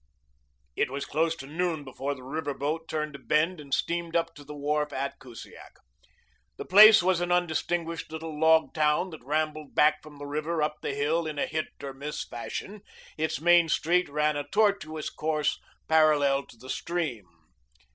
It was close to noon before the river boat turned a bend and steamed up to the wharf at Kusiak. The place was an undistinguished little log town that rambled back from the river up the hill in a hit or miss fashion. Its main street ran a tortuous course parallel to the stream.